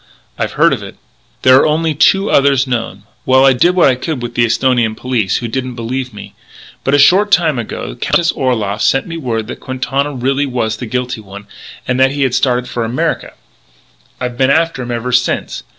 "I've heard of it." "There are only two others known.... Well, I did what I could with the Esthonian police, who didn't believe me. "But a short time ago the Countess Orloff sent me word that Quintana really was the guilty one, and that he had started for America. "I've been after him ever since....